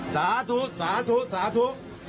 สาธุสาธุสาธุ